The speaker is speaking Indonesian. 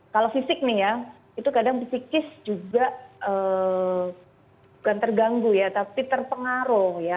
kalau fisik nih ya itu kadang psikis juga bukan terganggu ya tapi terpengaruh ya